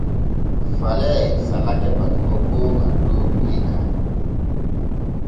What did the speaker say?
Falee salake batugo gooŋa dow guyka.